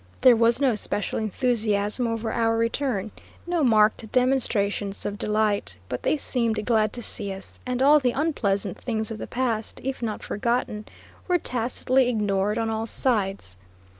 There was no special enthusiasm over our return, no marked demonstrations of delight; but they seemed glad to see us, and all the unpleasant things of the past, if not forgotten, were tacitly ignored on all sides.